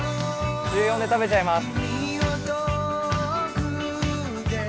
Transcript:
週４で食べちゃいます。